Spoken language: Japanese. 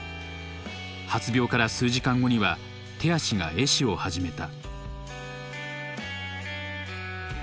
発病から数時間後には手足が壊死を始めた。